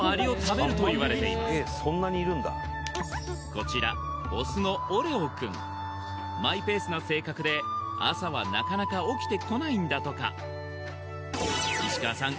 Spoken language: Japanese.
こちらオスのオレオくんマイペースな性格で朝はなかなか起きてこないんだとか石川さん